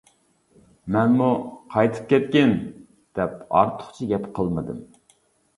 مەنمۇ «قايتىپ كەتكىن» دەپ ئارتۇقچە گەپ قىلمىدىم.